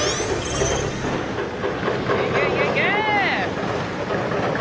いけいけいけ！